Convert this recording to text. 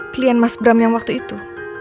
klien mas bram yang waktu itu